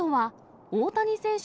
大谷選手